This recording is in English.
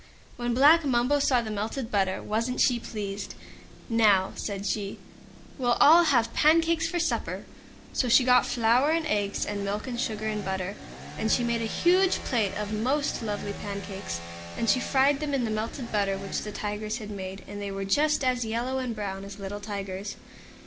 When Black Mumbo saw the melted butter, wasn't she pleased! "Now," said she, "we'll all have pancakes for supper!" So she got flour and eggs and milk and sugar and butter, and she made a huge big plate of most lovely pancakes. And she fried them in the melted butter which the Tigers had made, and they were just as yellow and brown as little Tigers.